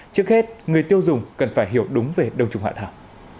trước hết người tiêu dùng cần phải hiểu đúng về đâu trùng hạ thảo